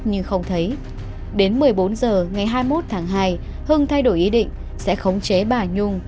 nhưng không thấy đến một mươi bốn h ngày hai mươi một tháng hai hưng thay đổi ý định sẽ khống chế bà nhung